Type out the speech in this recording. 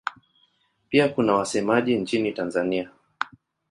Pia kuna wasemaji nchini Tanzania.